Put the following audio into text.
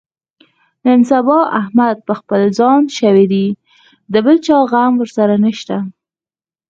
نن سبا احمد په خپل ځان شوی دی، د بل چا غم ورسره نشته.